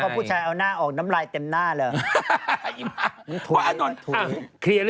พาบที่เห็นดูพาบที่เห็นใหม่เส้